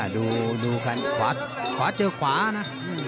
ดูกันขวาเจอขวานะ